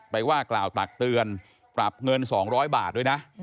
ว่ากล่าวตักเตือนปรับเงิน๒๐๐บาทด้วยนะ